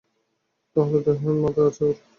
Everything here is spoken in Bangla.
তাহলে, দেহবিহীন মাথা আছে ওর।